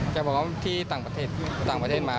แกบอกว่าที่ต่างประเทศต่างประเทศมา